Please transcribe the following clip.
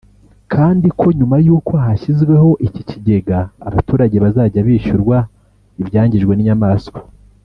kandi ko nyuma y’uko hashyizweho iki kigega abaturage bazajya bishyurwa ibyangijwe n’inyamaswa